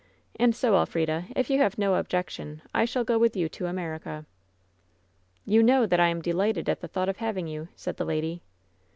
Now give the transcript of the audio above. And so, Elfrida, if you have no objection, I shall go with you to America." "You know that I am delighted at the thought of hav ing you," said the lady.